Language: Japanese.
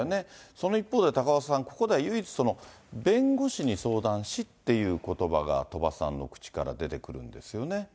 その一方で、高岡さん、ここでは唯一、弁護士に相談しっていうことばが鳥羽さんの口から出てくるんですよね。